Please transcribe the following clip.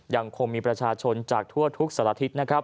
ยังคงมีประชาชนจากทั่วทุกสัลถิศ